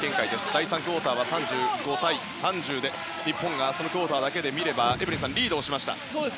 第３クオーターは３５対３０で日本がそのクオーターだけ見ればリードしました。